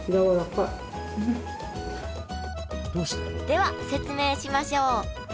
では説明しましょう。